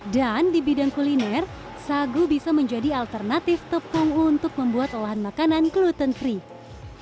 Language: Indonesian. dan di bidang kuliner sagu bisa menjadi alternatif tepung untuk membuat olahan makanan gluten free